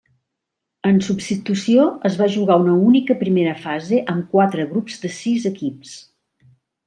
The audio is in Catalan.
En substitució es va jugar una única primera fase amb quatre grups de sis equips.